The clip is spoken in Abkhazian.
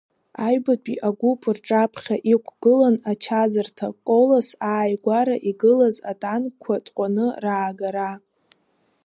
Аҩбатәи агәыԥ рҿаԥхьа иқәгылан ачаӡырҭа Колос ааигәара игылаз атанкқәа тҟәаны раагара.